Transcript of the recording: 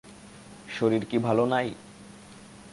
শরীর কি ভালো নাই?